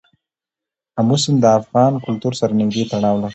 آمو سیند د افغان کلتور سره نږدې تړاو لري.